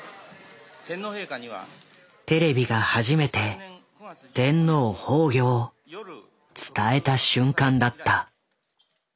テレビが初めて天皇崩御を伝えた瞬間だった。